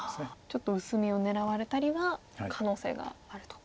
ちょっと薄みを狙われたりは可能性があると。